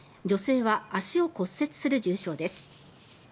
女性は足を骨折する重傷です。